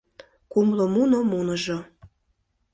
Кумло муно муныжо